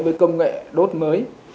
với công nghệ đốt mới